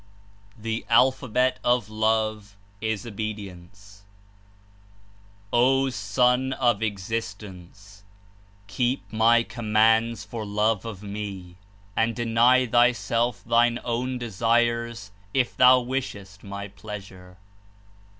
THE ALPHABET OF LOVE /.S' OBEDIENCE ''O Son of Existence/ Keep my Commands for Love of Me, and deny thyself thine ozvn desires if thou wishes t my Pleasure/^ (A.